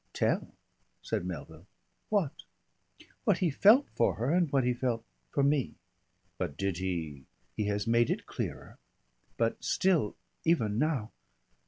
"Tell!" said Melville, "what?" "What he felt for her and what he felt for me." "But did he ?" "He has made it clearer. But still even now.